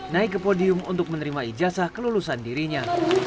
naik ke podium untuk menerima ijazah kelulusan dirinya